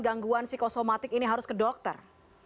gangguan psikosomatik ini harus ke dokter